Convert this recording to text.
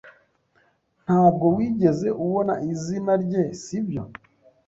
Ntabwo wigeze ubona izina rye, sibyo?